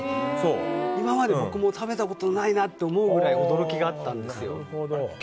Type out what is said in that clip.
今まで僕も食べたこともないぐらい驚きがあったんですよ。